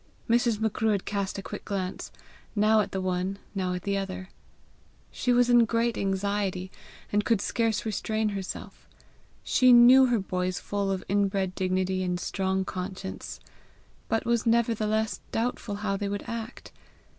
Mrs. Macruadh cast a quick glance, now at the one, now at the other. She was in great anxiety, and could scarce restrain herself. She knew her boys full of inbred dignity and strong conscience, but was nevertheless doubtful how they would act.